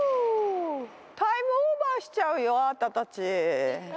タイムオーバーしちゃうよ、あんたたち。